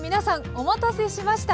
お待たせしました！